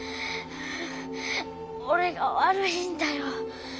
俺が悪いんだよ。